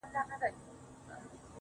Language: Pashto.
خو هغه نجلۍ ټوله مست سرور دی د ژوند,